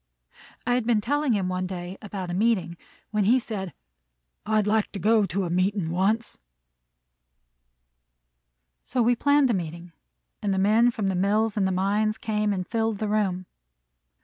I had been telling him one day about a meeting, when he said, "I'd like to go to a meetin' once." So we planned a meeting, and the men from the mills and the mines came and filled the room.